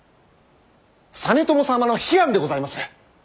実朝様の悲願でございます！